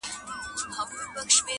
راغی پر نړۍ توپان ګوره چي لا څه کیږي!